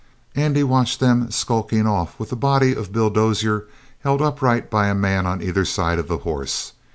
Andrew watched them skulking off with the body of Bill Dozier held upright by a man on either side of the horse.